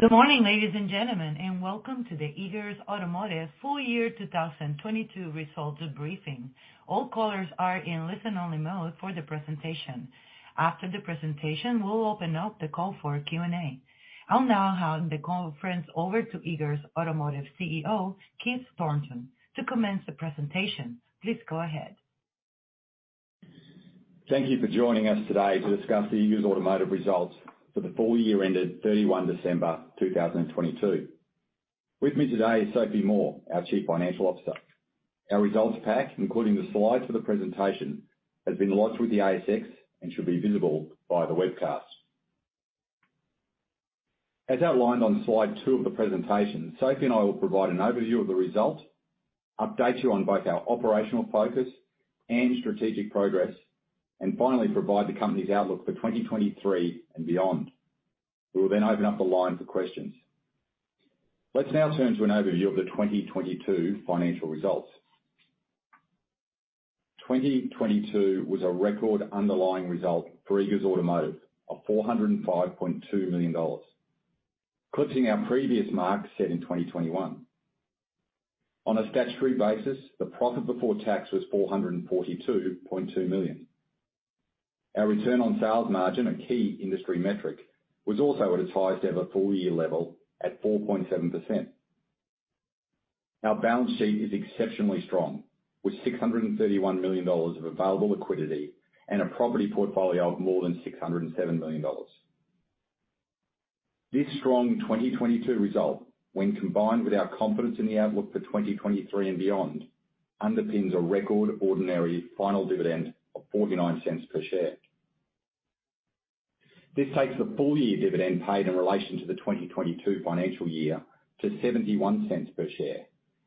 Good morning, ladies and gentlemen, welcome to the Eagers Automotive Full Year 2022 Results Briefing. All callers are in listen-only mode for the presentation. After the presentation, we'll open up the call for Q&A. I'll now hand the conference over to Eagers Automotive CEO, Keith Thornton, to commence the presentation. Please go ahead. Thank you for joining us today to discuss the Eagers Automotive results for the full year ended 31 December 2022. With me today is Sophie Moore, our Chief Financial Officer. Our results pack, including the slides for the presentation, have been launched with the ASX and should be visible via the webcast. As outlined on slide 2 of the presentation, Sophie and I will provide an overview of the results, update you on both our operational focus and strategic progress, and finally, provide the company's outlook for 2023 and beyond. We will then open up the line for questions. Let's now turn to an overview of the 2022 financial results. 2022 was a record underlying result for Eagers Automotive of 405.2 million dollars, eclipsing our previous mark set in 2021. On a statutory basis, the profit before tax was 442.2 million. Our Return on Sales margin, a key industry metric, was also at its highest ever full-year level at 4.7%. Our balance sheet is exceptionally strong, with 631 million dollars of available liquidity and a property portfolio of more than 607 million dollars. This strong 2022 result, when combined with our confidence in the outlook for 2023 and beyond, underpins a record ordinary final dividend of 0.49 per share. This takes the full-year dividend paid in relation to the 2022 financial year to 0.71 per share,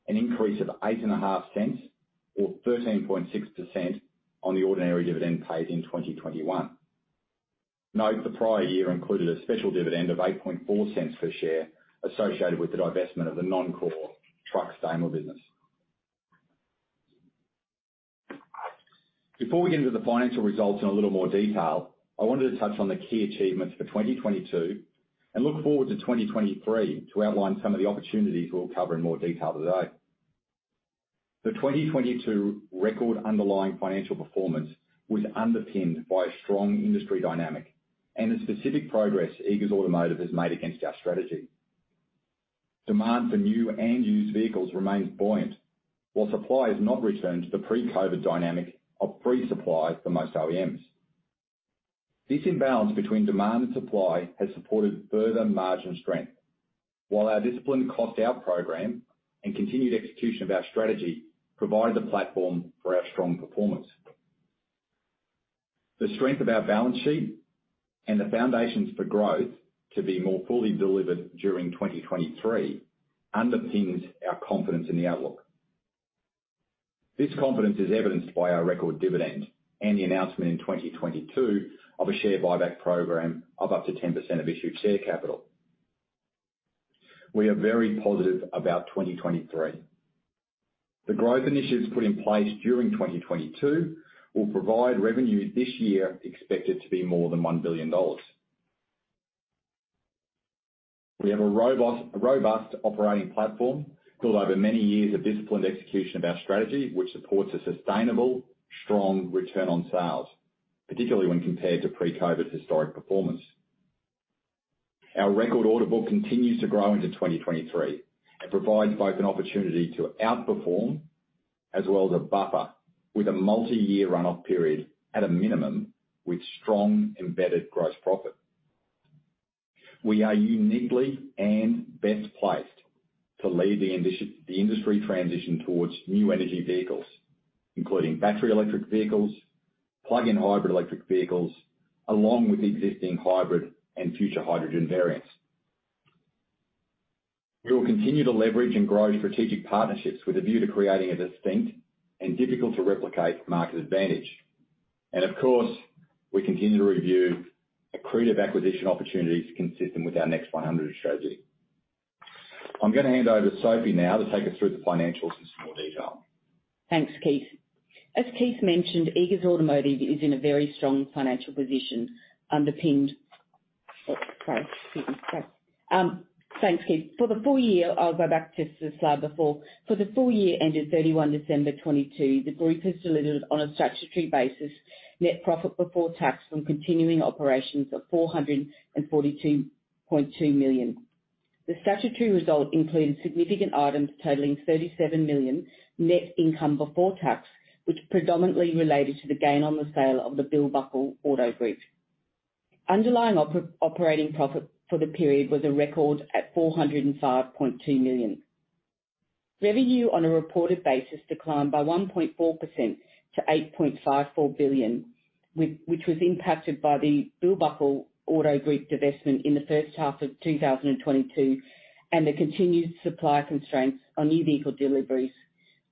an increase of 0.085 or 13.6% on the ordinary dividend paid in 2021. Note, the prior year included a special dividend of 0.084 per share associated with the divestment of the non-core truck Daimler business. Before we get into the financial results in a little more detail, I wanted to touch on the key achievements for 2022 and look forward to 2023 to outline some of the opportunities we'll cover in more detail today. The 2022 record underlying financial performance was underpinned by a strong industry dynamic and the specific progress Eagers Automotive has made against our strategy. Demand for new and used vehicles remains buoyant, while supply has not returned to the pre-COVID dynamic of free supply for most OEMs. This imbalance between demand and supply has supported further margin strength. While our disciplined cost out program and continued execution of our strategy provided the platform for our strong performance. The strength of our balance sheet and the foundations for growth to be more fully delivered during 2023 underpins our confidence in the outlook. This confidence is evidenced by our record dividend and the announcement in 2022 of a share buyback program of up to 10% of issued share capital. We are very positive about 2023. The growth initiatives put in place during 2022 will provide revenue this year expected to be more than 1 billion dollars. We have a robust operating platform built over many years of disciplined execution of our strategy, which supports a sustainable, strong Return on Sales, particularly when compared to pre-COVID's historic performance. Our record order book continues to grow into 2023 and provides both an opportunity to outperform as well as a buffer with a multi-year run-off period at a minimum with strong embedded gross profit. We are uniquely and best placed to lead the industry transition towards new energy vehicles, including battery electric vehicles, plug-in hybrid electric vehicles, along with existing hybrid and future hydrogen variants. We will continue to leverage and grow strategic partnerships with a view to creating a distinct and difficult to replicate market advantage. Of course, we continue to review accretive acquisition opportunities consistent with our Next100 strategy. I'm gonna hand over to Sophie now to take us through the financials in some more detail. Thanks, Keith. For the full year, I'll go back just to the slide before. For the full year ended 31 December 2022, the group has delivered on a statutory basis net profit before tax from continuing operations of 442.2 million. The statutory result included significant items totaling 37 million net income before tax, which predominantly related to the gain on the sale of the Bill Buckle Auto Group. Underlying operating profit for the period was a record at 405.2 million. Revenue on a reported basis declined by 1.4% to 8.54 billion, which was impacted by the Bill Buckle Auto Group divestment in the first half of 2022, and the continued supply constraints on new vehicle deliveries,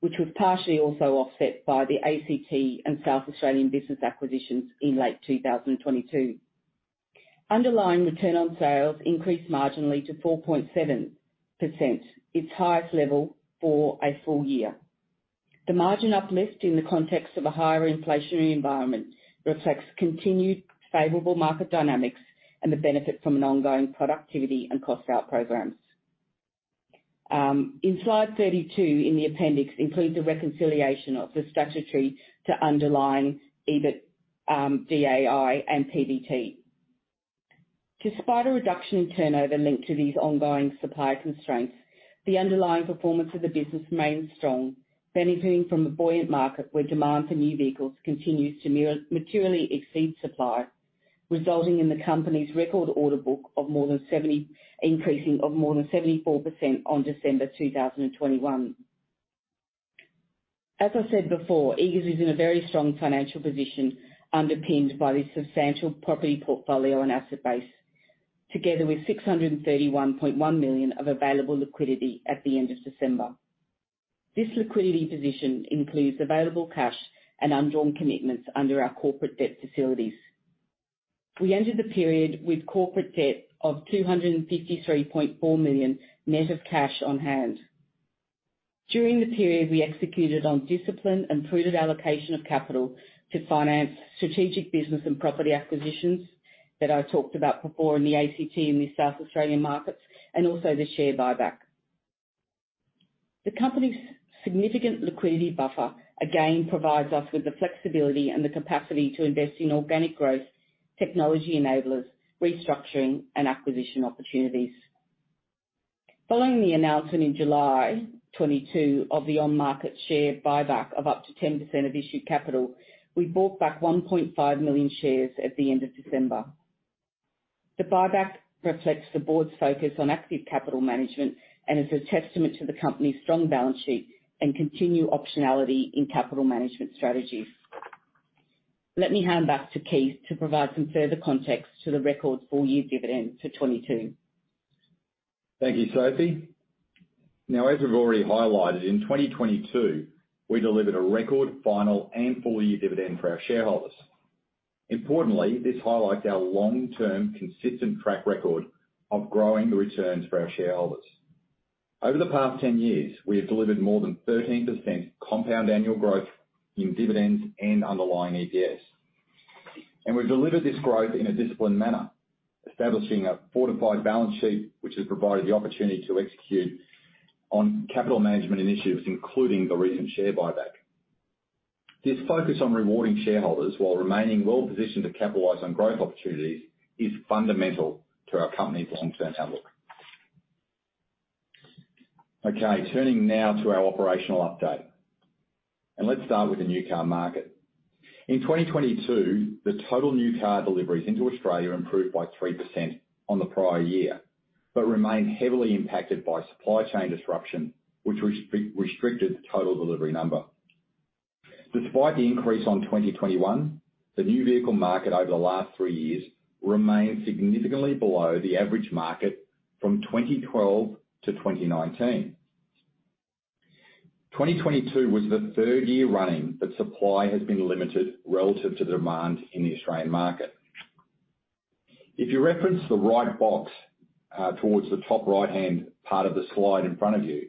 which was partially also offset by the ACT and South Australian business acquisitions in late 2022. Underlying Return on Sales increased marginally to 4.7%, its highest level for a full year. The margin uplift in the context of a higher inflationary environment reflects continued favorable market dynamics and the benefit from an ongoing productivity and cost out programs. In slide 32 in the appendix includes a reconciliation of the statutory to underlying EBITDAI and PBT. Despite a reduction in turnover linked to these ongoing supply constraints, the underlying performance of the business remains strong, benefiting from a buoyant market where demand for new vehicles continues to materially exceed supply, resulting in the company's record order book increasing of more than 74% on December 2021. I said before, Eagers is in a very strong financial position, underpinned by the substantial property portfolio and asset base, together with 631.1 million of available liquidity at the end of December. This liquidity position includes available cash and undrawn commitments under our corporate debt facilities. We entered the period with corporate debt of 253.4 million net of cash on hand. During the period, we executed on disciplined and prudent allocation of capital to finance strategic business and property acquisitions that I talked about before in the ACT, in the South Australian markets, and also the share buyback. The company's significant liquidity buffer, again, provides us with the flexibility and the capacity to invest in organic growth, technology enablers, restructuring and acquisition opportunities. Following the announcement in July 2022 of the on-market share buyback of up to 10% of issued capital, we bought back 1.5 million shares at the end of December. The buyback reflects the board's focus on active capital management and is a testament to the company's strong balance sheet and continued optionality in capital management strategies. Let me hand back to Keith to provide some further context to the record full-year dividend for 2022. Thank you, Sophie. As we've already highlighted, in 2022, we delivered a record final and full-year dividend for our shareholders. Importantly, this highlights our long-term consistent track record of growing the returns for our shareholders. Over the past 10 years, we have delivered more than 13% compound annual growth in dividends and underlying EPS. We've delivered this growth in a disciplined manner, establishing a fortified balance sheet, which has provided the opportunity to execute on capital management initiatives, including the recent share buyback. This focus on rewarding shareholders while remaining well-positioned to capitalize on growth opportunities is fundamental to our company's long-term outlook. Okay. Turning now to our operational update. Let's start with the new car market. In 2022, the total new car deliveries into Australia improved by 3% on the prior year, but remained heavily impacted by supply chain disruption, which restricted the total delivery number. Despite the increase on 2021, the new vehicle market over the last three years remains significantly below the average market from 2012 to 2019. 2022 was the third year running that supply has been limited relative to the demand in the Australian market. If you reference the right box, towards the top right-hand part of the slide in front of you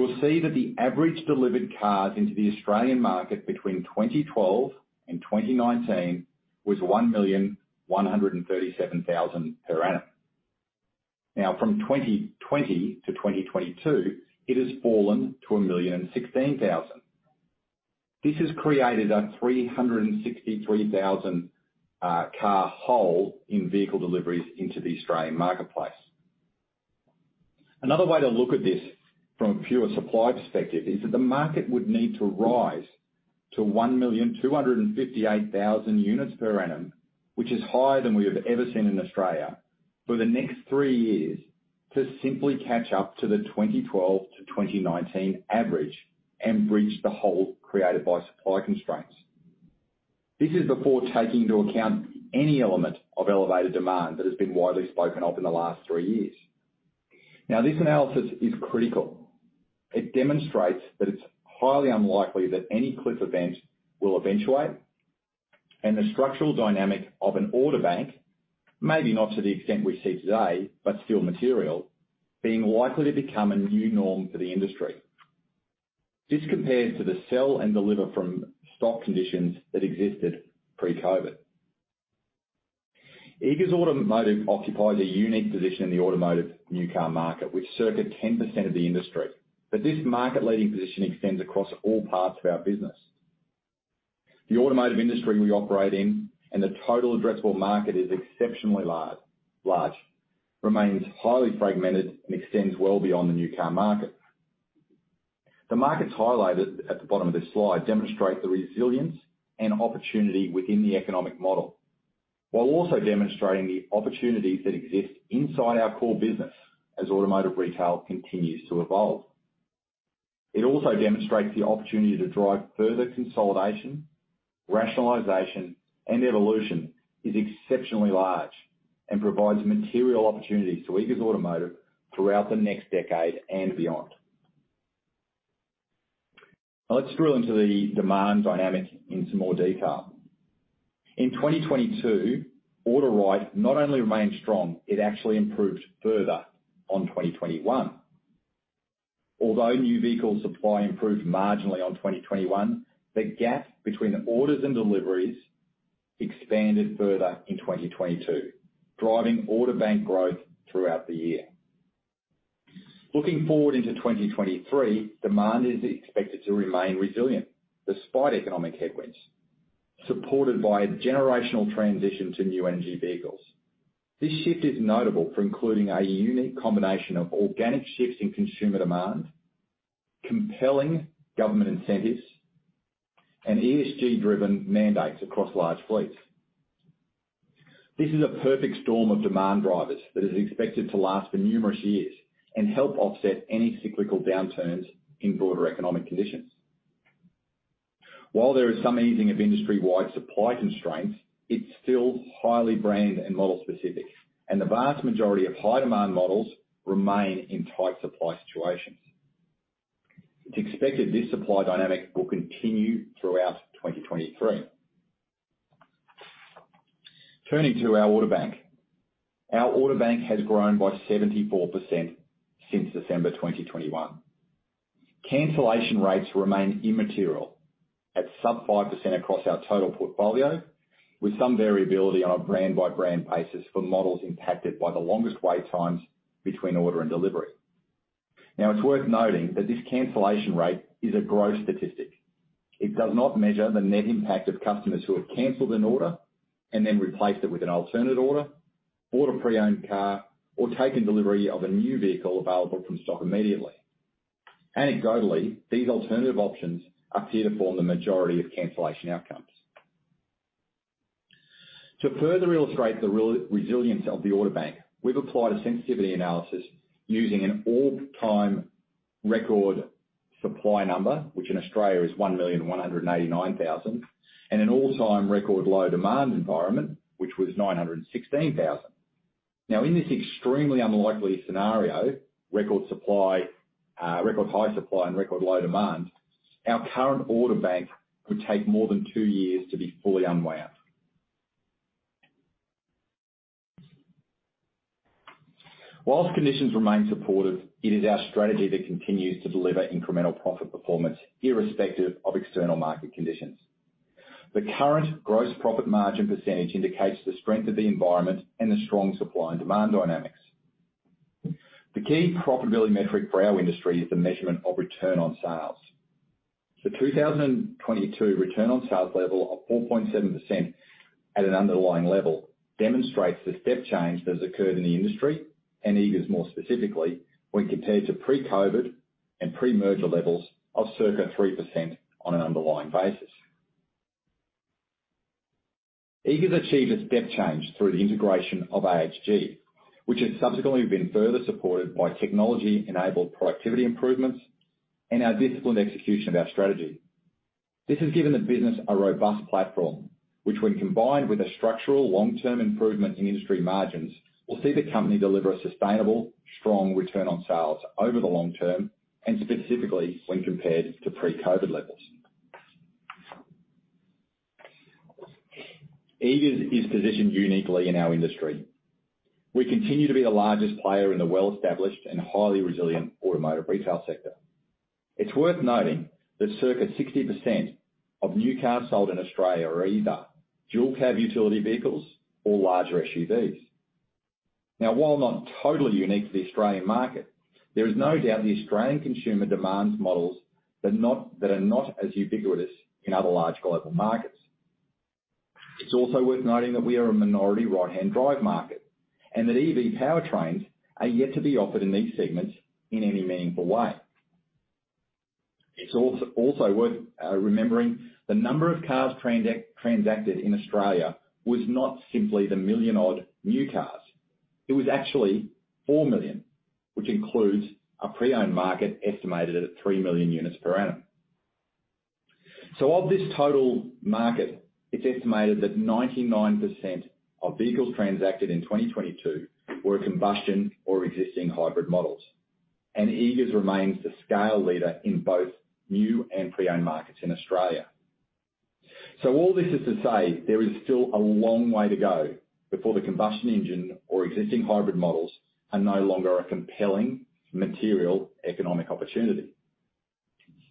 will see that the average delivered cars into the Australian market between 2012 and 2019 was 1,137,000 per annum. Now, from 2020 to 2022, it has fallen to 1,016,000. This has created a 363,000 car hole in vehicle deliveries into the Australian marketplace. Another way to look at this from a pure supply perspective is that the market would need to rise to 1,258,000 units per annum, which is higher than we have ever seen in Australia, for the next three years to simply catch up to the 2012 to 2019 average and bridge the hole created by supply constraints. This is before taking into account any element of elevated demand that has been widely spoken of in the last three years. This analysis is critical. It demonstrates that it's highly unlikely that any cliff event will eventuate, and the structural dynamic of an order bank, maybe not to the extent we see today, but still material, being likely to become a new norm for the industry. This compares to the sell and deliver from stock conditions that existed pre-COVID. Eagers Automotive occupies a unique position in the automotive new car market, with circa 10% of the industry. This market-leading position extends across all parts of our business. The automotive industry we operate in and the total addressable market is exceptionally large, remains highly fragmented and extends well beyond the new car market. The markets highlighted at the bottom of this slide demonstrate the resilience and opportunity within the economic model, while also demonstrating the opportunities that exist inside our core business as automotive retail continues to evolve. It also demonstrates the opportunity to drive further consolidation, rationalization, and evolution is exceptionally large and provides material opportunities to Eagers Automotive throughout the next decade and beyond. Let's drill into the demand dynamic into more detail. In 2022, order right not only remained strong, it actually improved further on 2021. Although new vehicle supply improved marginally on 2021, the gap between orders and deliveries expanded further in 2022, driving order bank growth throughout the year. Looking forward into 2023, demand is expected to remain resilient despite economic headwinds, supported by a generational transition to new energy vehicles. This shift is notable for including a unique combination of organic shifts in consumer demand, compelling government incentives, and ESG-driven mandates across large fleets. This is a perfect storm of demand drivers that is expected to last for numerous years and help offset any cyclical downturns in broader economic conditions. While there is some easing of industry-wide supply constraints, it's still highly brand and model specific, and the vast majority of high demand models remain in tight supply situations. It's expected this supply dynamic will continue throughout 2023. Turning to our order bank. Our order bank has grown by 74% since December 2021. Cancellation rates remain immaterial at sub 5% across our total portfolio, with some variability on a brand-by-brand basis for models impacted by the longest wait times between order and delivery. It's worth noting that this cancellation rate is a gross statistic. It does not measure the net impact of customers who have canceled an order and then replaced it with an alternate order, bought a pre-owned car, or taken delivery of a new vehicle available from stock immediately. Anecdotally, these alternative options appear to form the majority of cancellation outcomes. To further illustrate the re-resilience of the order bank, we've applied a sensitivity analysis using an all-time record supply number, which in Australia is 1,189,000, and an all-time record low demand environment, which was 916,000. In this extremely unlikely scenario, record supply, record high supply and record low demand, our current order bank would take more than two years to be fully unwound. Whilst conditions remain supportive, it is our strategy that continues to deliver incremental profit performance irrespective of external market conditions. The current gross profit margin percentage indicates the strength of the environment and the strong supply and demand dynamics. The key profitability metric for our industry is the measurement of Return on Sales. The 2022 Return on Sales level of 4.7% at an underlying level demonstrates the step change that has occurred in the industry, and Eagers more specifically, when compared to pre-COVID and pre-merger levels of circa 3% on an underlying basis. Eagers achieved its step change through the integration of AHG, which has subsequently been further supported by technology-enabled productivity improvements and our disciplined execution of our strategy. This has given the business a robust platform, which when combined with a structural long-term improvement in industry margins, will see the company deliver a sustainable, strong Return on Sales over the long term, and specifically when compared to pre-COVID levels. Eagers is positioned uniquely in our industry. We continue to be the largest player in the well-established and highly resilient automotive retail sector. It's worth noting that circa 60% of new cars sold in Australia are either dual cab utility vehicles or larger SUVs. While not totally unique to the Australian market, there is no doubt the Australian consumer demands models that are not as ubiquitous in other large global markets. It's also worth noting that we are a minority right-hand drive market, and that EV powertrains are yet to be offered in these segments in any meaningful way. It's also worth remembering the number of cars transacted in Australia was not simply the million-odd new cars. It was actually 4 million, which includes a pre-owned market estimated at 3 million units per annum. Of this total market, it's estimated that 99% of vehicles transacted in 2022 were combustion or existing hybrid models, and Eagers remains the scale leader in both new and pre-owned markets in Australia. All this is to say, there is still a long way to go before the combustion engine or existing hybrid models are no longer a compelling material economic opportunity.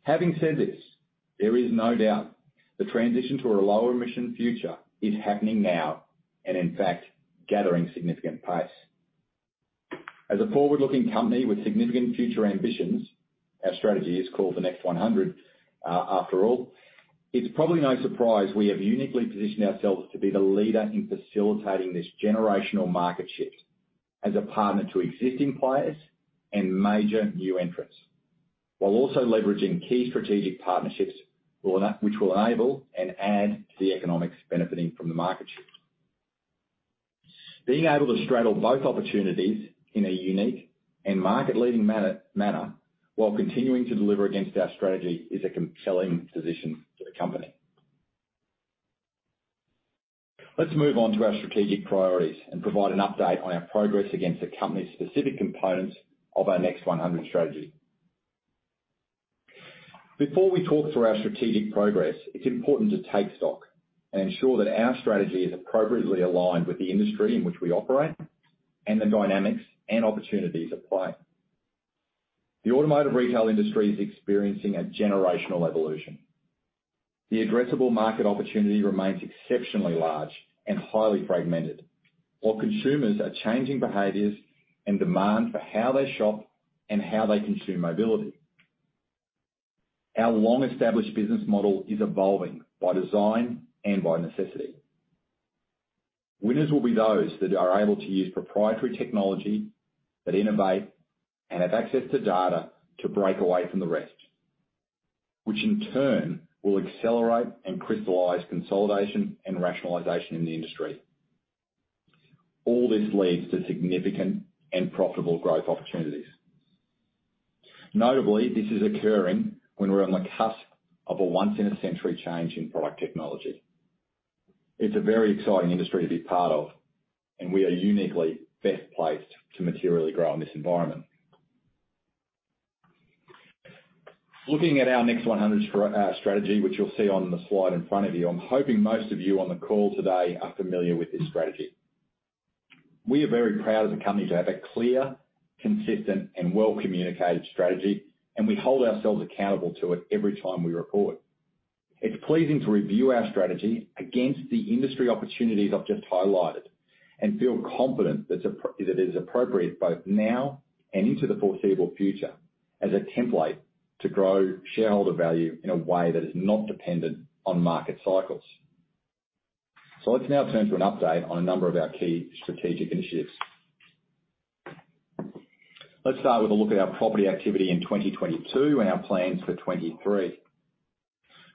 Having said this, there is no doubt the transition to a lower emission future is happening now, and in fact, gathering significant pace. As a forward-looking company with significant future ambitions, our strategy is called the Next100, after all, it's probably no surprise we have uniquely positioned ourselves to be the leader in facilitating this generational market shift as a partner to existing players and major new entrants, while also leveraging key strategic partnerships which will enable and add to the economics benefiting from the market shift. Being able to straddle both opportunities in a unique and market-leading manner, while continuing to deliver against our strategy, is a compelling position for the company. Let's move on to our strategic priorities and provide an update on our progress against the company's specific components of our Next100 strategy. Before we talk through our strategic progress, it's important to take stock and ensure that our strategy is appropriately aligned with the industry in which we operate, and the dynamics and opportunities at play. The automotive retail industry is experiencing a generational evolution. The addressable market opportunity remains exceptionally large and highly fragmented, while consumers are changing behaviors and demand for how they shop and how they consume mobility. Our long-established business model is evolving by design and by necessity. Winners will be those that are able to use proprietary technology that innovate and have access to data to break away from the rest, which in turn will accelerate and crystallize consolidation and rationalization in the industry. All this leads to significant and profitable growth opportunities. Notably, this is occurring when we're on the cusp of a once in a century change in product technology. It's a very exciting industry to be part of, and we are uniquely best placed to materially grow in this environment. Looking at our Next100 strategy, which you'll see on the slide in front of you, I'm hoping most of you on the call today are familiar with this strategy. We are very proud of the company to have a clear, consistent, and well communicated strategy, and we hold ourselves accountable to it every time we report. It's pleasing to review our strategy against the industry opportunities I've just highlighted and feel confident that it is appropriate both now and into the foreseeable future as a template to grow shareholder value in a way that is not dependent on market cycles. Let's now turn to an update on a number of our key strategic initiatives. Let's start with a look at our property activity in 2022 and our plans for 2023.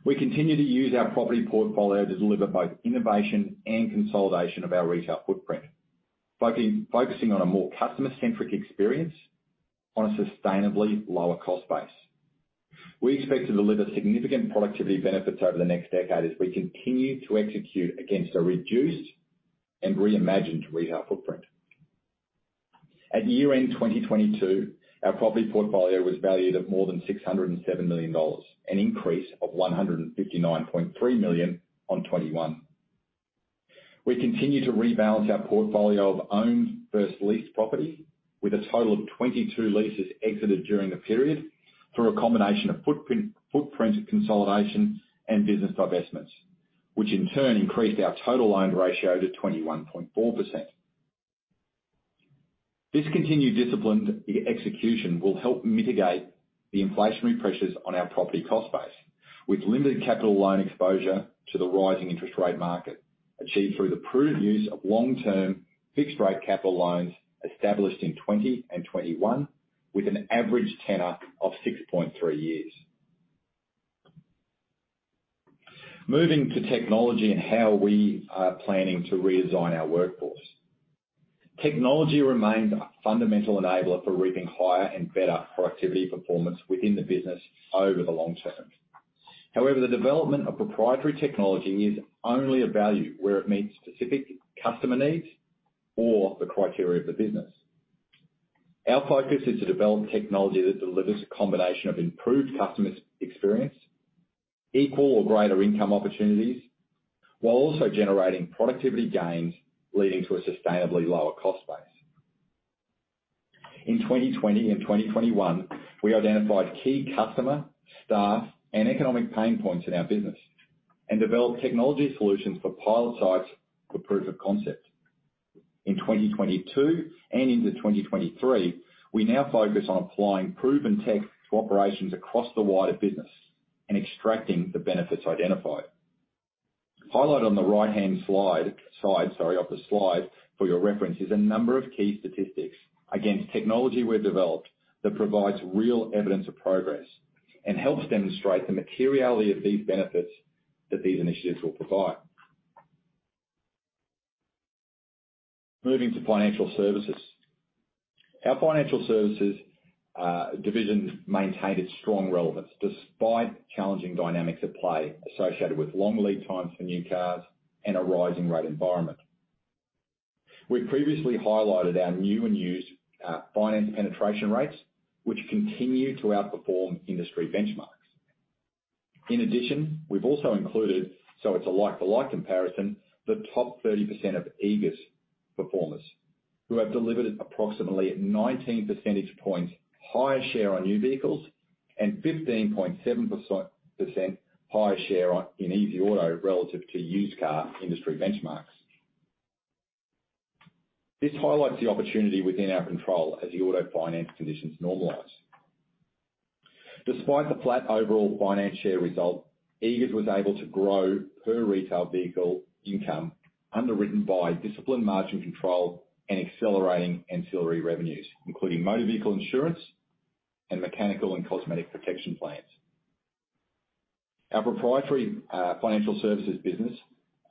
We continue to use our property portfolio to deliver both innovation and consolidation of our retail footprint, focusing on a more customer-centric experience on a sustainably lower cost base. We expect to deliver significant productivity benefits over the next decade as we continue to execute against a reduced and reimagined retail footprint. At year-end 2022, our property portfolio was valued at more than 607 million dollars, an increase of 159.3 million on 2021. We continue to rebalance our portfolio of owned first lease property with a total of 22 leases exited during the period through a combination of footprint consolidation and business divestments, which in turn increased our total loan ratio to 21.4%. This continued disciplined e-execution will help mitigate the inflationary pressures on our property cost base with limited capital loan exposure to the rising interest rate market, achieved through the prudent use of long-term fixed rate capital loans established in 2020 and 2021 with an average tenor of 6.3 years. Moving to technology and how we are planning to redesign our workforce. Technology remains a fundamental enabler for reaping higher and better productivity performance within the business over the long term. However, the development of proprietary technology is only a value where it meets specific customer needs or the criteria of the business. Our focus is to develop technology that delivers a combination of improved customer experience, equal or greater income opportunities, while also generating productivity gains leading to a sustainably lower cost base. In 2020 and 2021, we identified key customer, staff, and economic pain points in our business and developed technology solutions for pilot sites for proof of concept. In 2022 and into 2023, we now focus on applying proven tech to operations across the wider business and extracting the benefits identified. Highlighted on the right-hand side, sorry, of the slide for your reference, is a number of key statistics against technology we've developed that provides real evidence of progress and helps demonstrate the materiality of these benefits that these initiatives will provide. Moving to financial services. Our financial services division maintained its strong relevance despite challenging dynamics at play associated with long lead times for new cars and a rising rate environment. We've previously highlighted our new and used finance penetration rates, which continue to outperform industry benchmarks. In addition, we've also included, so it's a like-to-like comparison, the top 30% of Eagers performers who have delivered approximately 19 percentage points higher share on new vehicles and 15.7% higher share on, in easyauto123 relative to used car industry benchmarks. This highlights the opportunity within our control as the auto finance conditions normalize. Despite the flat overall finance share result, Eagers was able to grow per retail vehicle income underwritten by disciplined margin control and accelerating ancillary revenues, including motor vehicle insurance and mechanical and cosmetic protection plans. Our proprietary financial services business,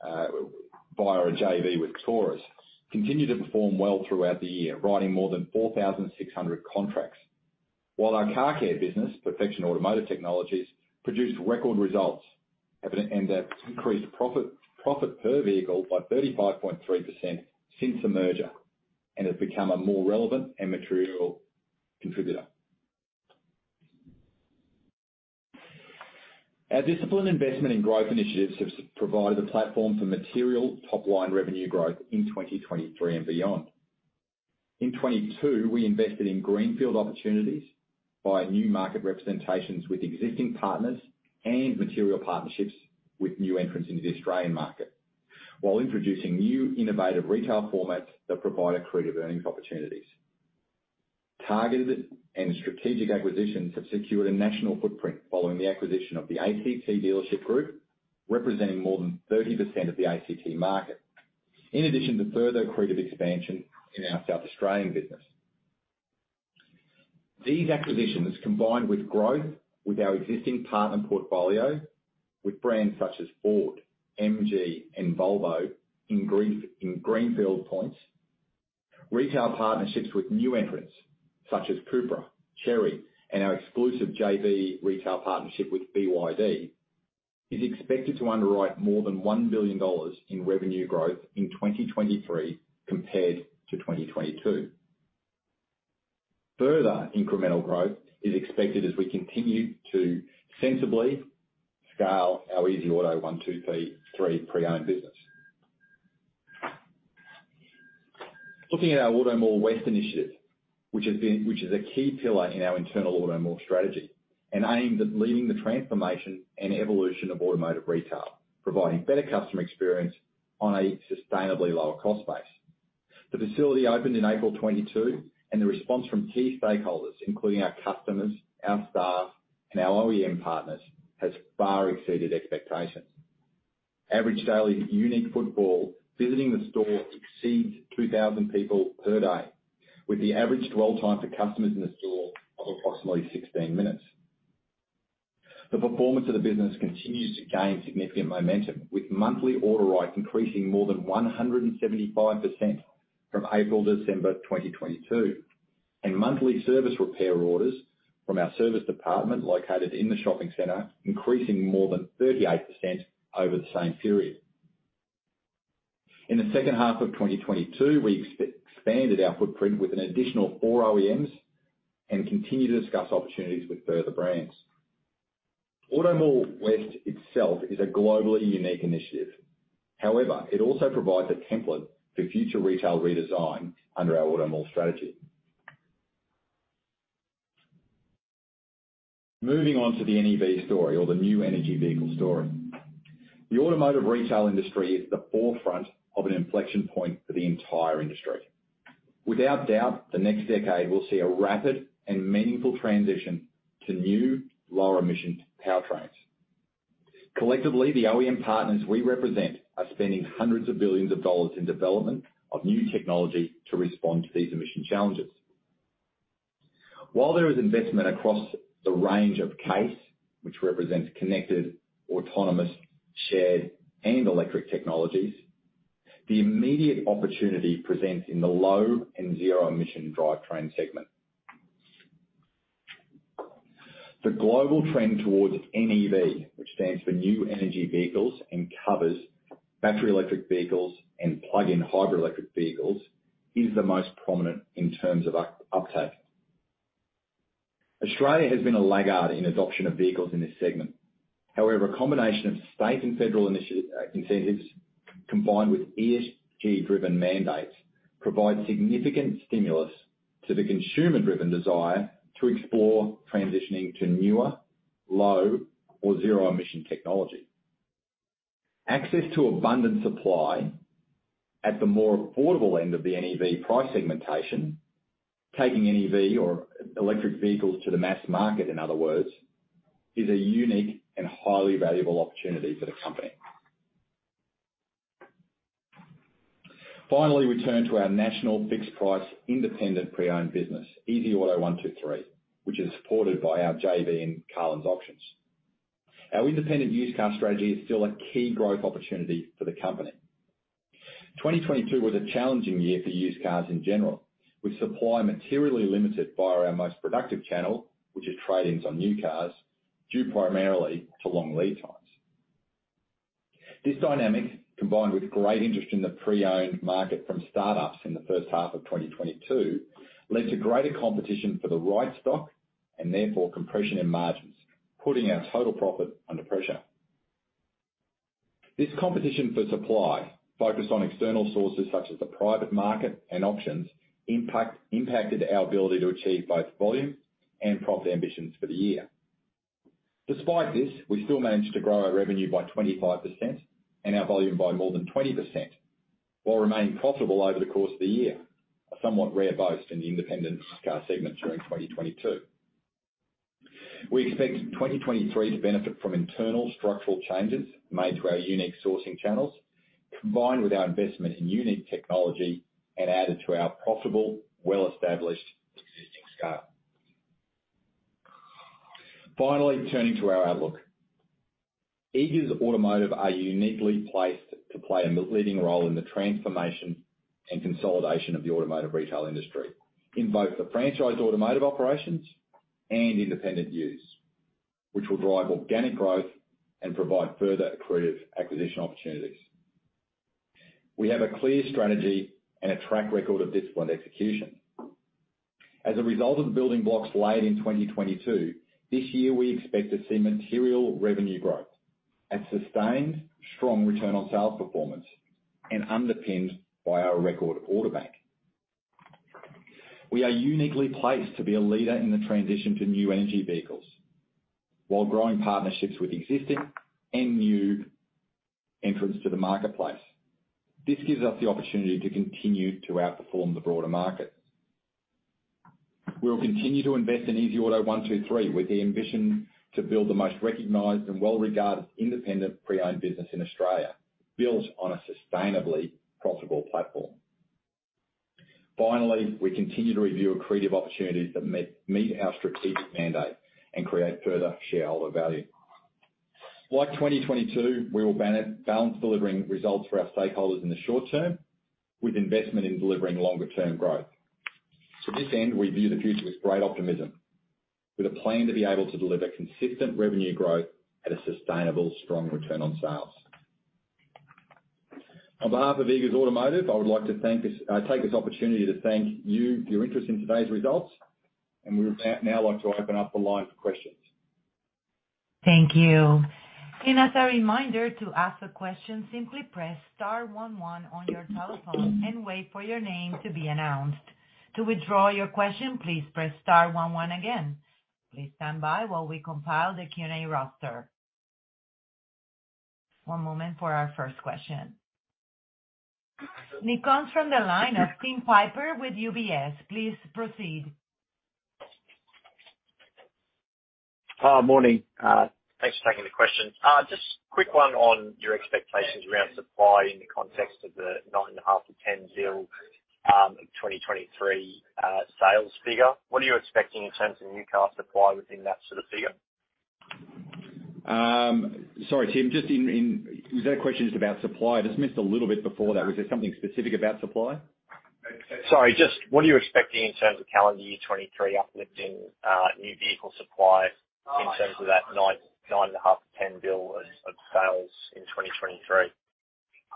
via a JV with [Taurus], continued to perform well throughout the year, writing more than 4,600 contracts. While our car care business, Perfection Automotive Technologies, produced record results and increased profit per vehicle by 35.3% since the merger. Has become a more relevant and material contributor. Our disciplined investment in growth initiatives have provided a platform for material top-line revenue growth in 2023 and beyond. In 2022, we invested in greenfield opportunities by new market representations with existing partners and material partnerships with new entrants into the Australian market. While introducing new innovative retail formats that provide accretive earnings opportunities. Targeted and strategic acquisitions have secured a national footprint following the acquisition of the ACT dealership group, representing more than 30% of the ACT market. In addition to further accretive expansion in our South Australian business. These acquisitions, combined with growth with our existing partner portfolio, with brands such as Ford, MG, and Volvo in greenfield points, retail partnerships with new entrants such as CUPRA, Chery, and our exclusive JV retail partnership with BYD, is expected to underwrite more than 1 billion dollars in revenue growth in 2023 compared to 2022. Further incremental growth is expected as we continue to sensibly scale our easyauto123 pre-owned business. Looking at our Automall West initiative, which is a key pillar in our internal Automall strategy, and aimed at leading the transformation and evolution of automotive retail, providing better customer experience on a sustainably lower cost base. The facility opened in April 2022. The response from key stakeholders, including our customers, our staff, and our OEM partners, has far exceeded expectations. Average daily unique footfall visiting the store exceeds 2,000 people per day, with the average dwell time for customers in the store of approximately 16 minutes. The performance of the business continues to gain significant momentum, with monthly order write increasing more than 175% from April-December 2022. Monthly service repair orders from our service department located in the shopping center, increasing more than 38% over the same period. In the second half of 2022, we expanded our footprint with an additional four OEMs and continue to discuss opportunities with further brands. Automall West itself is a globally unique initiative. However, it also provides a template for future retail redesign under our Automall strategy. Moving on to the NEV story or the new energy vehicle story. The automotive retail industry is at the forefront of an inflection point for the entire industry. Without doubt, the next decade will see a rapid and meaningful transition to new lower emission powertrains. Collectively, the OEM partners we represent are spending hundreds of billions of dollars in development of new technology to respond to these emission challenges. While there is investment across the range of CASE, which represents connected, autonomous, shared, and electric technologies, the immediate opportunity presents in the low and zero-emission drivetrain segment. The global trend towards NEV, which stands for new energy vehicles and covers battery electric vehicles and plug-in hybrid electric vehicles, is the most prominent in terms of uptake. Australia has been a laggard in adoption of vehicles in this segment. However, a combination of state and federal incentives combined with ESG-driven mandates provide significant stimulus to the consumer-driven desire to explore transitioning to newer, low or zero-emission technology. Access to abundant supply at the more affordable end of the NEV price segmentation, taking NEV or electric vehicles to the mass market, in other words, is a unique and highly valuable opportunity for the company. Finally, we turn to our national fixed price, independent pre-owned business, easyauto123, which is supported by our JV and Carlins Auctions. Our independent used car strategy is still a key growth opportunity for the company. 2022 was a challenging year for used cars in general, with supply materially limited via our most productive channel, which is trade-ins on new cars, due primarily to long lead times. This dynamic, combined with great interest in the pre-owned market from start-ups in the first half of 2022, led to greater competition for the right stock and therefore compression in margins, putting our total profit under pressure. This competition for supply, focused on external sources such as the private market and auctions, impacted our ability to achieve both volume and profit ambitions for the year. Despite this, we still managed to grow our revenue by 25% and our volume by more than 20%, while remaining profitable over the course of the year. A somewhat rare boast in the independent car segment during 2022. We expect 2023 to benefit from internal structural changes made to our unique sourcing channels, combined with our investment in unique technology and added to our profitable, well-established existing scale. Finally, turning to our outlook. Eagers Automotive are uniquely placed to play a leading role in the transformation and consolidation of the automotive retail industry in both the franchised automotive operations and independent used. Which will drive organic growth and provide further accretive acquisition opportunities. We have a clear strategy and a track record of disciplined execution. As a result of the building blocks laid in 2022, this year we expect to see material revenue growth and sustained strong Return on Sales performance and underpinned by our record order bank. We are uniquely placed to be a leader in the transition to new energy vehicles while growing partnerships with existing and new entrants to the marketplace. This gives us the opportunity to continue to outperform the broader market. We'll continue to invest in easyauto123 with the ambition to build the most recognized and well-regarded independent pre-owned business in Australia, built on a sustainably profitable platform. We continue to review accretive opportunities that meet our strategic mandate and create further shareholder value. Like 2022, we will balance delivering results for our stakeholders in the short term with investment in delivering longer term growth. To this end, we view the future with great optimism, with a plan to be able to deliver consistent revenue growth at a sustainable, strong Return on Sales. On behalf of Eagers Automotive, I would like to take this opportunity to thank you for your interest in today's results. We would now like to open up the line for questions. Thank you. As a reminder to ask a question, simply press star one-one on your telephone and wait for your name to be announced. To withdraw your question, please press star one-one again. Please stand by while we compile the Q&A roster. One moment for our first question. It comes from the line of Tim Piper with UBS. Please proceed. Morning. Thanks for taking the question. Just quick one on your expectations around supply in the context of the 9.5 billion to 10 billion 2023 sales figure. What are you expecting in terms of new car supply within that sort of figure? Sorry, Tim. Was that question just about supply? I just missed a little bit before that. Was there something specific about supply? Sorry. Just what are you expecting in terms of calendar year 2023 uplifting, new vehicle supply in terms of that 9.5 billion-10 billion of sales in 2023?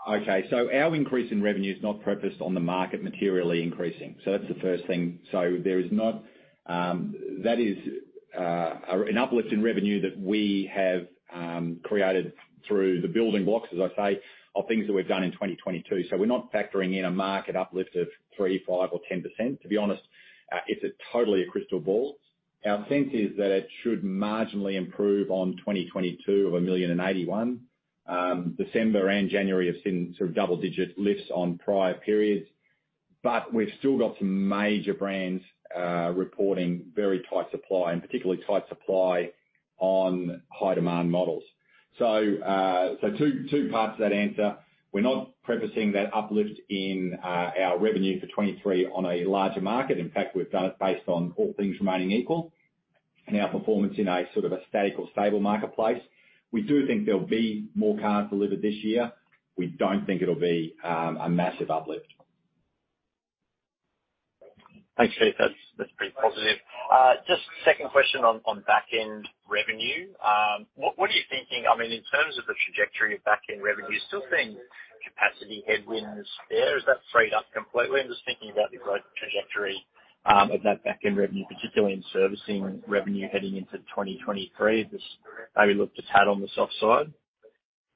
Our increase in revenue is not purposed on the market materially increasing. That's the first thing. There is not, that is, an uplift in revenue that we have, created through the building blocks, as I say, of things that we've done in 2022. We're not factoring in a market uplift of 3%, 5% or 10%. To be honest, it's a totally a crystal ball. Our sense is that it should marginally improve on 2022 of 1,081,000. December and January have seen sort of double-digit lifts on prior periods. We've still got some major brands, reporting very tight supply, and particularly tight supply on high demand models. Two parts of that answer. We're not prefacing that uplift in, our revenue for 2023 on a larger market. In fact, we've done it based on all things remaining equal and our performance in a sort of a static or stable marketplace. We do think there'll be more cars delivered this year. We don't think it'll be a massive uplift. Thanks, Keith. That's pretty positive. Just second question on back end revenue. What are you thinking, I mean, in terms of the trajectory of back end revenue, still seeing capacity headwinds there? Has that freed up completely? I'm just thinking about the growth trajectory of that back end revenue, particularly in servicing revenue heading into 2023. Is this maybe looked a tad on the soft side?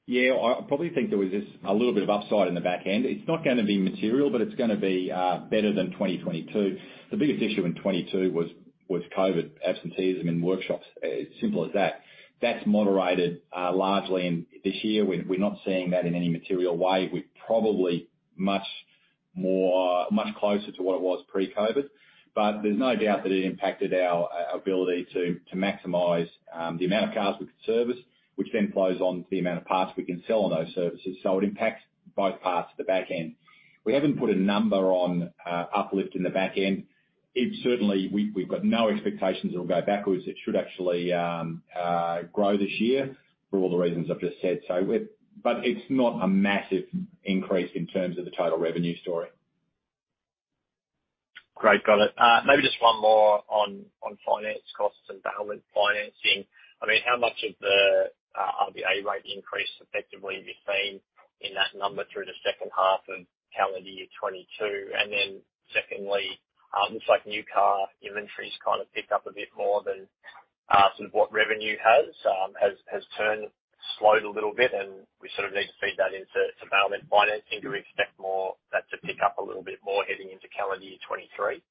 Yeah. I probably think there was just a little bit of upside in the back end. It's not gonna be material, but it's gonna be better than 2022. The biggest issue in 2022 was COVID absenteeism in workshops. Simple as that. That's moderated largely, and this year we're not seeing that in any material way. We're probably much closer to what it was pre-COVID. There's no doubt that it impacted our ability to maximize the amount of cars we could service, which then flows on to the amount of parts we can sell on those services. It impacts both parts of the back end. We haven't put a number on uplift in the back end. We've got no expectations it will go backwards. It should actually grow this year for all the reasons I've just said. It's not a massive increase in terms of the total revenue story. Great. Got it. Maybe just one more on finance costs and balance financing. I mean, how much of the RBA rate increase effectively have you seen in that number through the second half of calendar year 2022? Secondly, looks like new car inventory's kind of picked up a bit more than sort of what revenue has slowed a little bit, and we sort of need to feed that into some balance financing. Do we expect that to pick up a little bit more heading into calendar year 2023?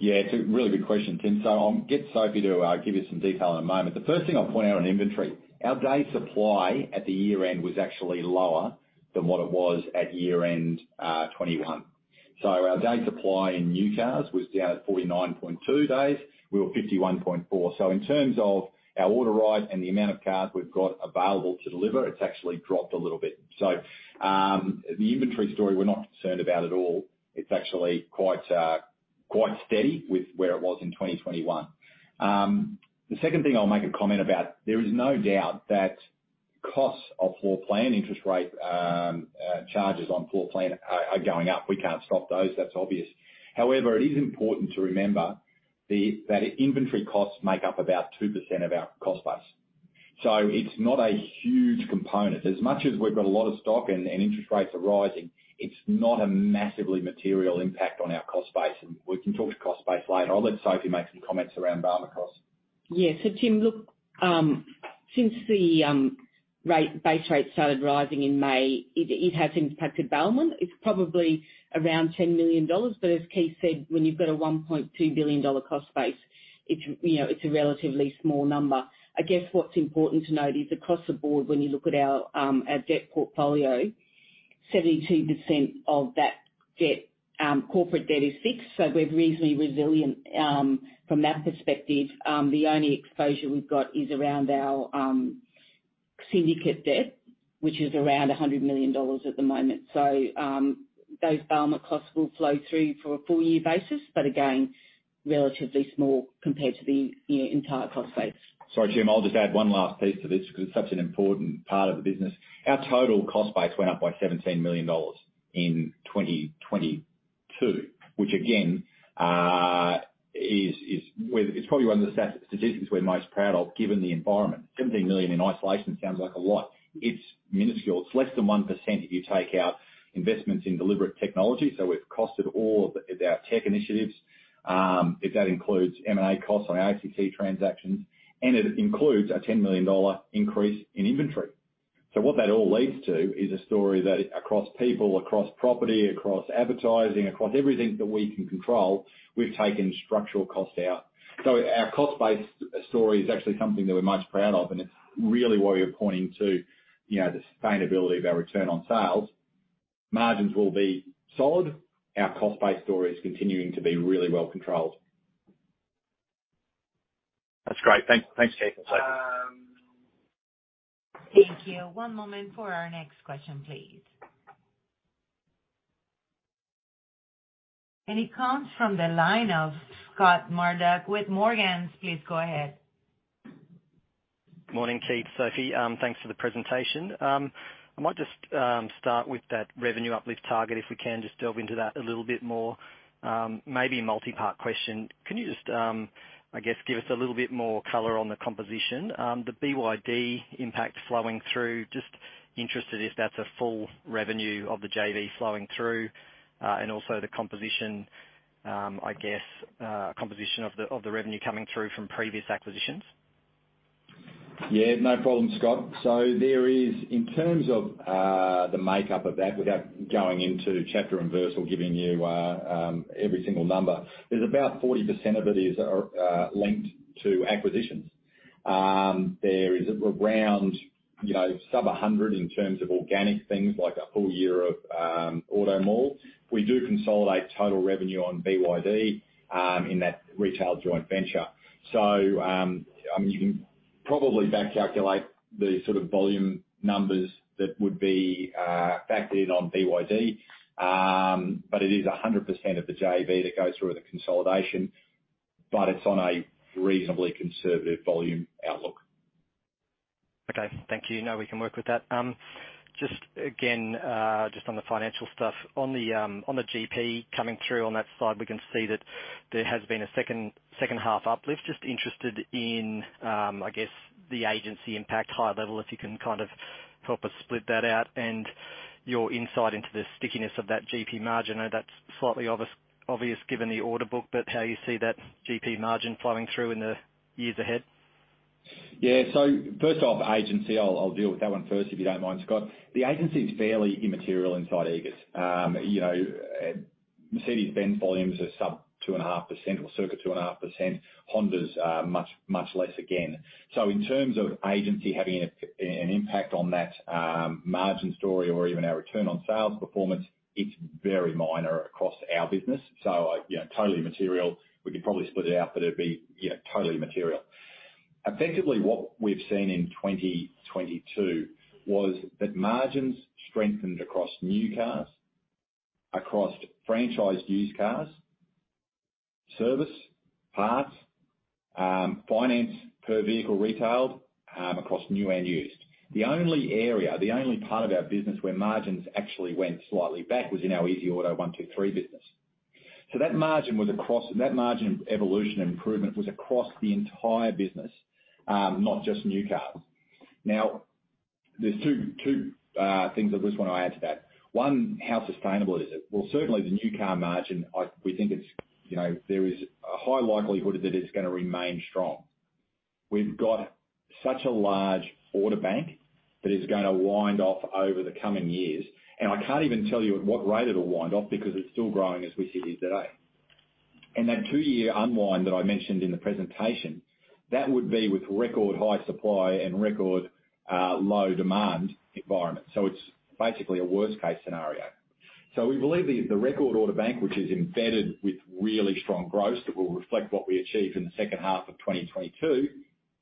It's a really good question, Tim. I'll get Sophie to give you some detail in a moment. The first thing I'll point out on inventory, our day supply at the year end was actually lower than what it was at year end 2021. Our day supply in new cars was down at 49.2 days. We were 51.4. In terms of our order ride and the amount of cars we've got available to deliver, it's actually dropped a little bit. The inventory story we're not concerned about at all. It's actually quite steady with where it was in 2021. The second thing I'll make a comment about, there is no doubt that costs of floor plan interest rate charges on floor plan are going up. We can't stop those. That's obvious. However, it is important to remember that inventory costs make up about 2% of our cost base. It's not a huge component. As much as we've got a lot of stock and interest rates are rising, it's not a massively material impact on our cost base, and we can talk cost base later. I'll let Sophie make some comments around bailment costs. Yeah. Tim, look, since the base rate started rising in May, it has impacted bailment. It's probably around 10 million dollars, as Keith said, when you've got a 1.2 billion dollar cost base, it's, you know, a relatively small number. I guess what's important to note is across the board, when you look at our debt portfolio, 72% of that debt, corporate debt is fixed, we're reasonably resilient from that perspective. The only exposure we've got is around our syndicate debt, which is around 100 million dollars at the moment. Those bailment costs will flow through for a full year basis, again, relatively small compared to the, you know, entire cost base. Sorry, Tim, I'll just add one last piece to this 'cause it's such an important part of the business. Our total cost base went up by 17 million dollars in 2022, which again, is where it's probably one of the statistics we're most proud of given the environment. 17 million in isolation sounds like a lot. It's minuscule. It's less than 1% if you take out investments in deliberate technology. We've costed all of the, of our tech initiatives, if that includes M&A costs on our ACCC transactions, and it includes a 10 million dollar increase in inventory. What that all leads to is a story that across people, across property, across advertising, across everything that we can control, we've taken structural cost out. Our cost base story is actually something that we're most proud of, and it's really where we're pointing to, you know, the sustainability of our Return on Sales. Margins will be solid. Our cost base story is continuing to be really well controlled. That's great. Thanks, Keith and Sophie. Thank you. One moment for our next question, please. It comes from the line of Scott Murdoch with Morgans. Please go ahead. Morning, Keith, Sophie. Thanks for the presentation. I might just start with that revenue uplift target, if we can just delve into that a little bit more. Maybe a multi-part question. Can you just, I guess, give us a little bit more color on the composition? The BYD impact flowing through, just interested if that's a full revenue of the JV flowing through, and also the composition, I guess, composition of the revenue coming through from previous acquisitions. Yeah, no problem, Scott. There is, in terms of the makeup of that, without going into chapter and verse or giving you every single number, there's about 40% of it is linked to acquisitions. There is around, you know, sub-100 in terms of organic things like a full year of Automall. We do consolidate total revenue on BYD in that retail joint venture. I mean, you can probably back calculate the sort of volume numbers that would be factored in on BYD. It is 100% of the JV that goes through the consolidation, but it's on a reasonably conservative volume outlook. Okay. Thank you. No, we can work with that. Just again, just on the financial stuff. On the GP coming through on that slide, we can see that there has been a second half uplift. Just interested in, I guess, the agency impact, high level, if you can kind of help us split that out and your insight into the stickiness of that GP margin. I know that's slightly obvious given the order book, but how you see that GP margin flowing through in the years ahead. First off, agency, I'll deal with that one first, if you don't mind, Scott. The agency is fairly immaterial inside Eagers. You know, Mercedes-Benz volumes are sub 2.5% or circa 2.5%. Honda's much, much less again. In terms of agency having an impact on that, margin story or even our Return on Sales performance, it's very minor across our business. You know, totally immaterial. We could probably split it out, but it'd be, you know, totally immaterial. Effectively, what we've seen in 2022 was that margins strengthened across new cars, across franchised used cars, service, parts, finance per vehicle retailed, across new and used. The only area, the only part of our business where margins actually went slightly back was in our easyauto123 business. That margin evolution improvement was across the entire business, not just new cars. There's two things I just wanna add to that. One, how sustainable is it? Certainly the new car margin, we think it's, you know, there is a high likelihood that it's gonna remain strong. We've got such a large order bank that is gonna wind off over the coming years. I can't even tell you at what rate it'll wind off because it's still growing as we sit here today. That two-year unwind that I mentioned in the presentation, that would be with record high supply and record low demand environment. It's basically a worst case scenario. We believe the record order bank, which is embedded with really strong growth that will reflect what we achieve in the second half of 2022,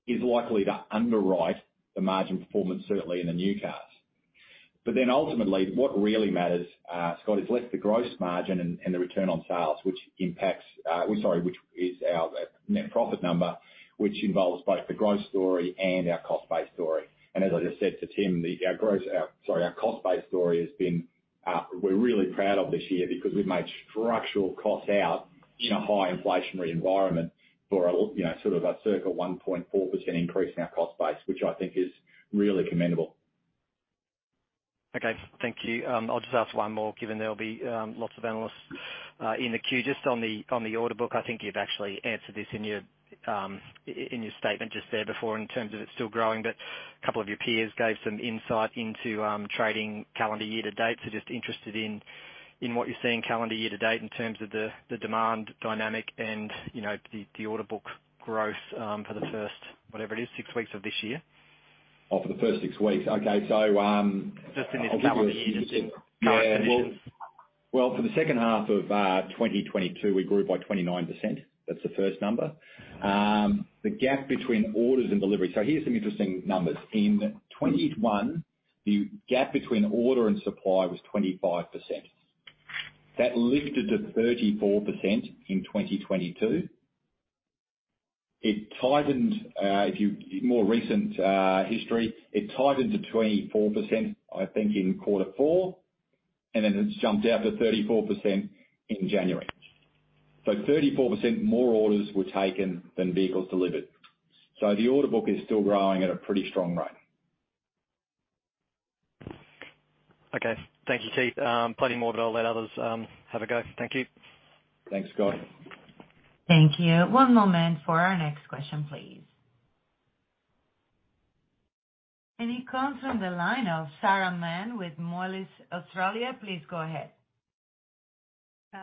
is likely to underwrite the margin performance, certainly in the new cars. But then ultimately, what really matters, Scott, is less the gross margin and the Return on Sales, which impacts, Sorry, which is our net profit number, which involves both the growth story and our cost base story. And as I just said to Tim, our cost base story has been, we're really proud of this year because we've made structural costs out in a high inflationary environment for you know, sort of a circa 1.4% increase in our cost base, which I think is really commendable. Okay. Thank you. I'll just ask one more, given there'll be lots of analysts in the queue. Just on the, on the order book, I think you've actually answered this in your in your statement just there before in terms of it's still growing. A couple of your peers gave some insight into trading calendar year to date. Just interested in what you see in calendar year to date in terms of the demand dynamic and, you know, the order book growth for the first, whatever it is, six weeks of this year. Oh, for the first six weeks. Okay. I'll give you a-- Just in the number of years in current conditions. Yeah. Well, for the second half of 2022, we grew by 29%. That's the first number. The gap between orders and delivery. Here's some interesting numbers. In 2021, the gap between order and supply was 25%. That lifted to 34% in 2022. It tightened, if more recent history. It tightened to 24%, I think, in quarter four, and then it's jumped out to 34% in January. 34% more orders were taken than vehicles delivered. The order book is still growing at a pretty strong rate. Okay. Thank you, Keith. Plenty more, I'll let others have a go. Thank you. Thanks, Scott. Thank you. One moment for our next question, please. It comes from the line of Sarah Mann with Moelis Australia. Please go ahead.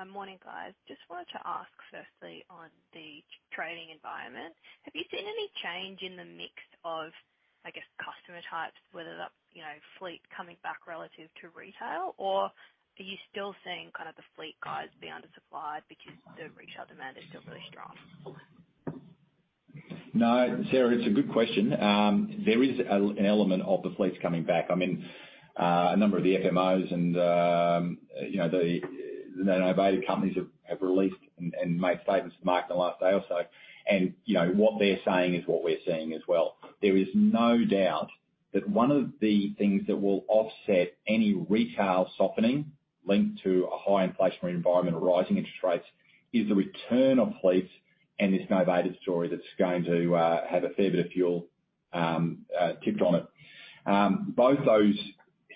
Morning, guys. Just wanted to ask firstly on the trading environment, have you seen any change in the mix of, I guess, customer types, whether that's, you know, fleet coming back relative to retail? Are you still seeing kind of the fleet guys be undersupplied because the retail demand is still really strong? No, Sarah, it's a good question. There is an element of the fleets coming back. I mean, a number of the FMOs and, you know, the novated companies have released and made statements to the market in the last day or so. You know, what they're saying is what we're seeing as well. There is no doubt that one of the things that will offset any retail softening linked to a high inflationary environment or rising interest rates is the return of fleets and this novated story that's going to have a fair bit of fuel tipped on it. Both those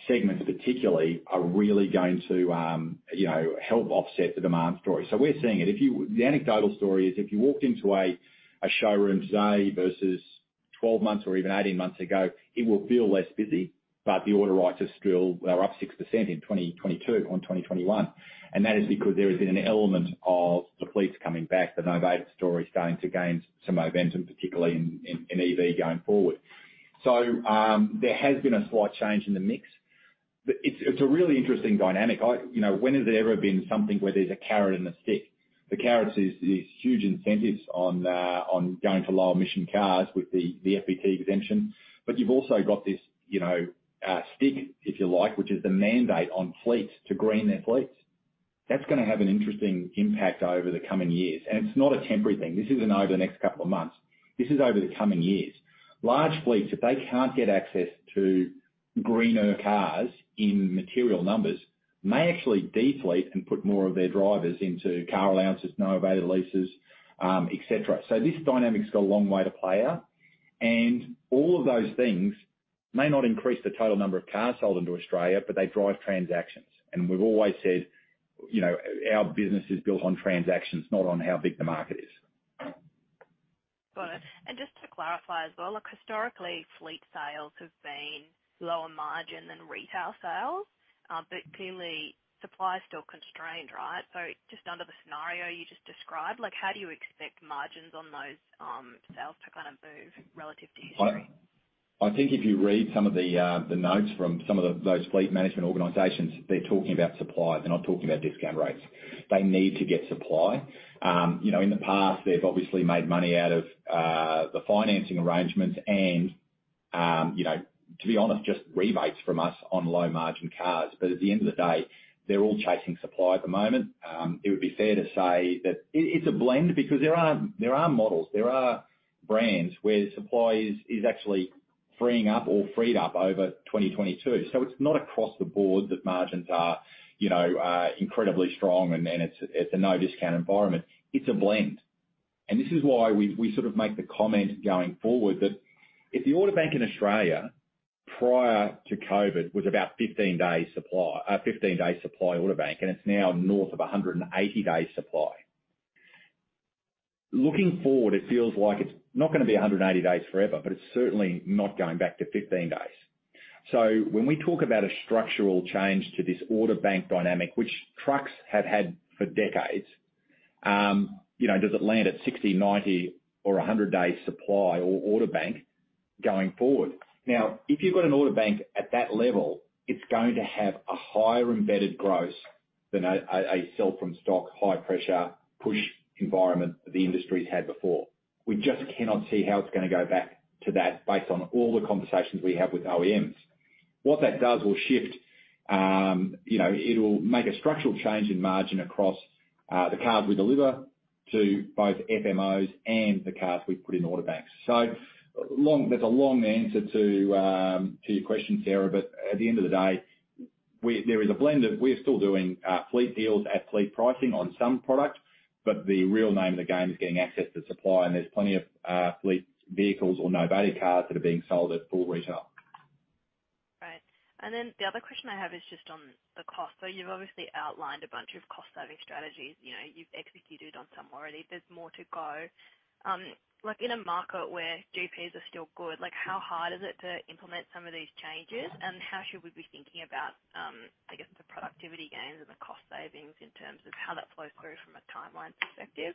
segments particularly are really going to, you know, help offset the demand story. We're seeing it. If you-- The anecdotal story is if you walked into a showroom today versus 12 months or even 18 months ago, it will feel less busy, but the order writers still are up 6% in 2022 on 2021. That is because there has been an element of the fleets coming back, the novated story starting to gain some momentum, particularly in, in EV going forward. There has been a slight change in the mix. It's a really interesting dynamic. You know, when has there ever been something where there's a carrot and a stick? The carrot is these huge incentives on going to low emission cars with the FBT exemption. You've also got this, you know, stick, if you like, which is the mandate on fleets to green their fleets. That's gonna have an interesting impact over the coming years, and it's not a temporary thing. This isn't over the next couple of months. This is over the coming years. Large fleets, if they can't get access to greener cars in material numbers, may actually de-fleet and put more of their drivers into car allowances, novated leases, et cetera. This dynamic's got a long way to play out. All of those things may not increase the total number of cars sold into Australia, but they drive transactions. We've always said, you know, our business is built on transactions, not on how big the market is. Got it. Just to clarify as well, like historically, fleet sales have been lower margin than retail sales, clearly supply is still constrained, right? Just under the scenario you just described, like how do you expect margins on those sales to kind of move relative to history? I think if you read some of the notes from some of those Fleet Management Organisations, they're talking about supply. They're not talking about discount rates. They need to get supply. You know, in the past they've obviously made money out of the financing arrangements and, you know, to be honest, just rebates from us on low margin cars. At the end of the day, they're all chasing supply at the moment. It would be fair to say that it's a blend because there are models, there are brands where supply is actually freeing up or freed up over 2022. It's not across the board that margins are incredibly strong and then it's a no discount environment. It's a blend. This is why we sort of make the comment going forward that if the order bank in Australia prior to COVID was about 15 days supply, 15 days supply order bank, and it's now north of 180 days supply. Looking forward, it feels like it's not gonna be 180 days forever, but it's certainly not going back to 15 days. When we talk about a structural change to this order bank dynamic, which trucks have had for decades, you know, does it land at 60, 90, or 100 days supply or order bank going forward? Now, if you've got an order bank at that level, it's going to have a higher embedded gross than a sell from stock, high pressure push environment that the industry's had before. We just cannot see how it's gonna go back to that based on all the conversations we have with OEMs. What that does will shift, you know, it'll make a structural change in margin across the cars we deliver to both FMOs and the cars we put in order banks. That's a long answer to your question, Sarah, but at the end of the day, we, there is a blend of we're still doing fleet deals at fleet pricing on some products, but the real name of the game is getting access to supply, and there's plenty of fleet vehicles or novated cars that are being sold at full retail. Right. The other question I have is just on the cost. You've obviously outlined a bunch of cost-saving strategies. You know, you've executed on some already. There's more to go. Like in a market where GPs are still good, like how hard is it to implement some of these changes? How should we be thinking about, I guess, the productivity gains and the cost savings in terms of how that flows through from a timeline perspective?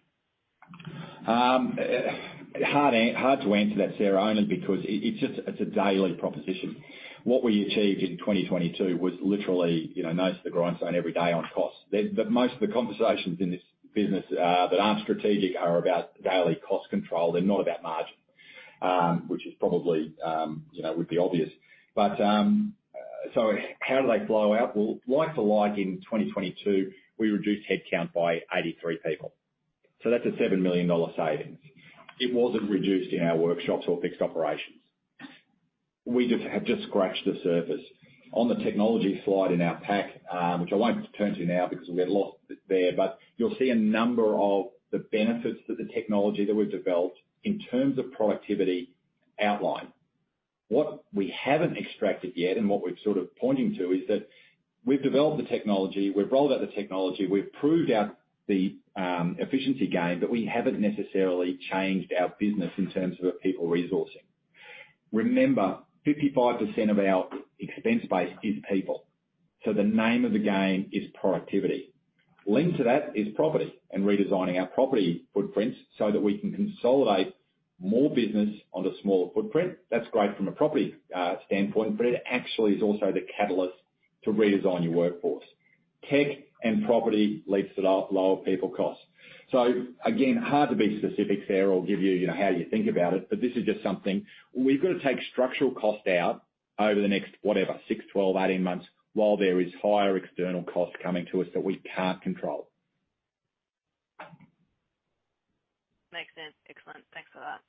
Hard to answer that, Sarah, only because it's just a daily proposition. What we achieved in 2022 was literally, you know, nose to the grindstone every day on costs. Most of the conversations in this business that aren't strategic are about daily cost control. They're not about margin, which is probably, you know, would be obvious. How do they flow out? Well, like for like in 2022, we reduced headcount by 83 people. That's an 7 million dollar savings. It wasn't reduced in our workshops or fixed operations. We just have just scratched the surface. On the technology slide in our pack, which I won't turn to now because we've got a lot there, but you'll see a number of the benefits that the technology that we've developed in terms of productivity outline. What we haven't extracted yet and what we're sort of pointing to is that we've developed the technology, we've rolled out the technology, we've proved out the efficiency gain, but we haven't necessarily changed our business in terms of people resourcing. Remember, 55% of our expense base is people, so the name of the game is productivity. Linked to that is property and redesigning our property footprints so that we can consolidate more business on a smaller footprint. That's great from a property standpoint, but it actually is also the catalyst to redesign your workforce. Tech and property leads to lower people costs. Again, hard to be specific, Sarah, or give you know, how you think about it, but this is just something. We've got to take structural cost out over the next whatever, 6, 12, 18 months while there is higher external costs coming to us that we can't control. Makes sense. Excellent. Thanks a lot.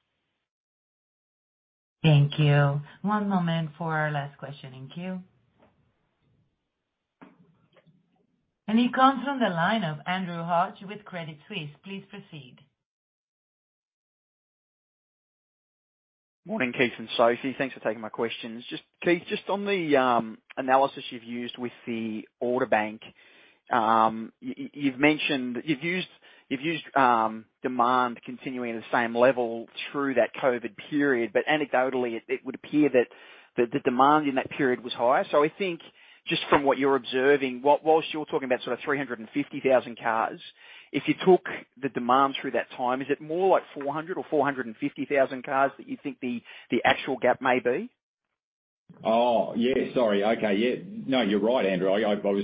Thank you. One moment for our last question in queue. It comes from the line of Andrew Hodge with Credit Suisse. Please proceed. Morning, Keith and Sophie. Thanks for taking my questions. Just, Keith, just on the analysis you've used with the order bank, You've used demand continuing at the same level through that COVID period. Anecdotally, it would appear that the demand in that period was higher. I think just from what you're observing, whilst you're talking about sort of 350,000 cars, if you took the demand through that time, is it more like 400,000 or 450,000 cars that you think the actual gap may be? Oh, yeah. Sorry. Okay. Yeah. No, you're right, Andrew. I was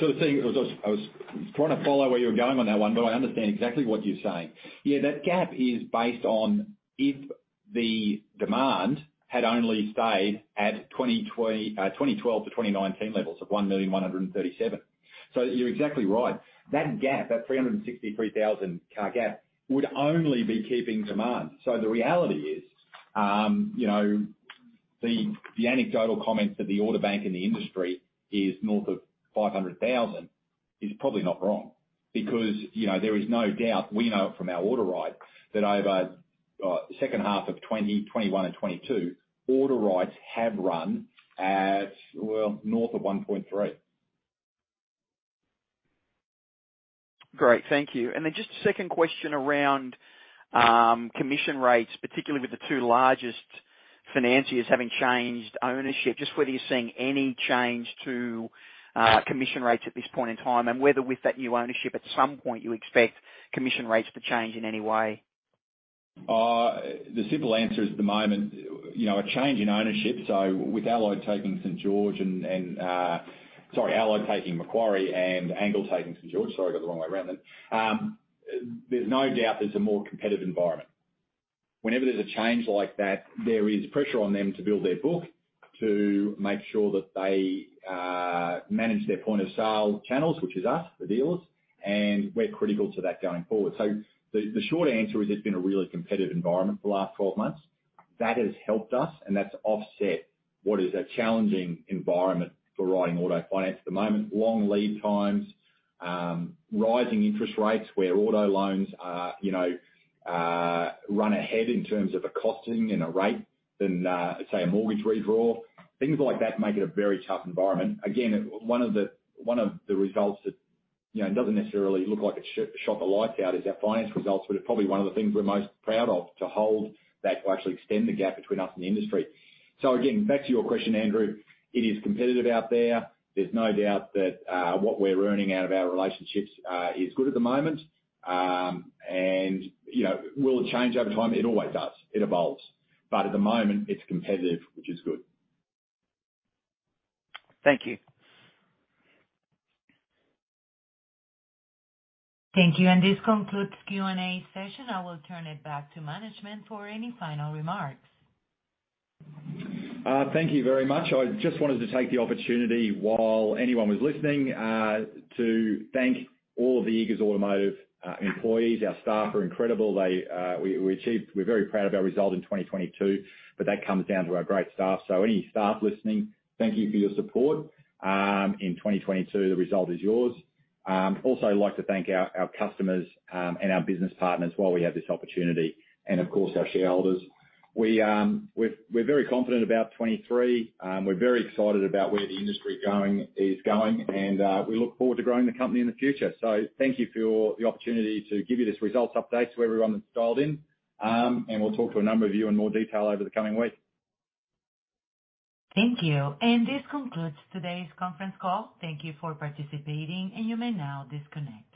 sort of thinking. I was trying to follow where you were going on that one, but I understand exactly what you're saying. Yeah, that gap is based on if the demand had only stayed at 2020, 2012 to 2019 levels of 1,000,137. You're exactly right. That gap, that 363,000 car gap would only be keeping demand. The reality is, you know, the anecdotal comments that the order bank in the industry is north of 500,000 is probably not wrong because, you know, there is no doubt, we know it from our order rates, that over second half of 2021 and 2022, order rates have run at, well, north of 1.3%. Great. Thank you. Just second question around commission rates, particularly with the two largest financiers having changed ownership, just whether you're seeing any change to commission rates at this point in time and whether with that new ownership at some point you expect commission rates to change in any way. The simple answer is at the moment, you know, a change in ownership, so with Ally taking Macquarie and Angle taking St. George, sorry, I got the wrong way around then. There's no doubt there's a more competitive environment. Whenever there's a change like that, there is pressure on them to build their book to make sure that they manage their point of sale channels, which is us, the dealers, and we're critical to that going forward. The, the short answer is it's been a really competitive environment for the last 12 months. That has helped us, and that's offset what is a challenging environment for writing auto finance at the moment. Long lead times, rising interest rates where auto loans are, you know, run ahead in terms of a costing and a rate than, say, a mortgage redraw. Things like that make it a very tough environment. Again, one of the, one of the results that, you know, doesn't necessarily look like it shook the lights out is our finance results, but it's probably one of the things we're most proud of to hold that will actually extend the gap between us and the industry. Again, back to your question, Andrew, it is competitive out there. There's no doubt that, what we're earning out of our relationships, is good at the moment. You know, will it change over time? It always does. It evolves. At the moment, it's competitive, which is good. Thank you. Thank you. This concludes Q&A session. I will turn it back to management for any final remarks. Thank you very much. I just wanted to take the opportunity while anyone was listening to thank all of the Eagers Automotive employees. Our staff are incredible. They, we're very proud of our result in 2022. That comes down to our great staff. Any staff listening, thank you for your support. In 2022, the result is yours. Also like to thank our customers and our business partners while we have this opportunity and of course our shareholders. We're very confident about 2023. We're very excited about where the industry is going. We look forward to growing the company in the future. Thank you for the opportunity to give you this results update to everyone that's dialed in. We'll talk to a number of you in more detail over the coming weeks. Thank you. This concludes today's conference call. Thank you for participating, and you may now disconnect.